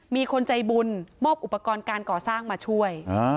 มีคนใจบุญมอบอุปกรณ์การก่อสร้างมาช่วย